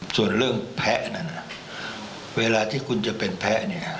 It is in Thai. ส่วนเรื่องแพ้นั้นเวลาที่คุณจะเป็นแพ้เนี่ย